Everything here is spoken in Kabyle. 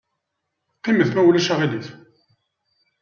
Qqimet, ma ulac aɣilif.